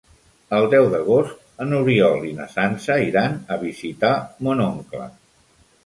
El deu d'agost n'Oriol i na Sança iran a visitar mon oncle.